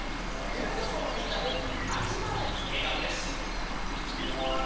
「テレどーも！」のみんなで「あつまれ！笑顔」です。